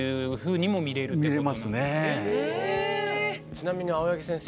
ちなみに青柳先生